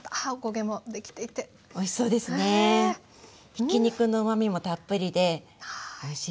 ひき肉のうまみもたっぷりでおいしいんですよ。